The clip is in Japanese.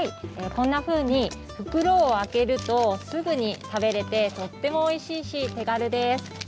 こんなふうに、袋を開けるとすぐに食べれてとってもおいしいし、手軽です。